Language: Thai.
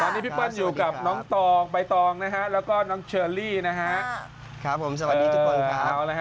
ตอนนี้พี่เปิ้ลอยู่กับน้องตองใบตองนะฮะแล้วก็น้องเชอรี่นะฮะครับผมสวัสดีทุกคนครับ